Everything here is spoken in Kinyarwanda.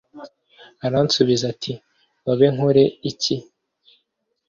Aransubiza ati Babe nkore iki